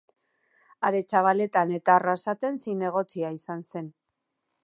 Aretxabaletan eta Arrasaten zinegotzia izan zen.